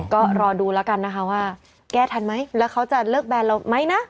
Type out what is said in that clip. ก็รอดูแล้วกันนะคะว่าแก้ทันไหมแล้วเขาจะเลิกแบนเราไหมนะ